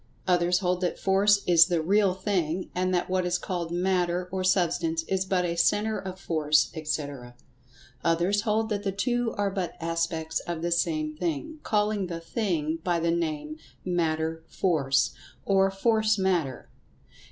Others hold that Force is the "real thing," and that what is called Matter, or Substance, is but a centre of Force, etc. Others hold that the two are but aspects of the same thing, calling the "thing" by the name "Matter Force," or "Force Matter."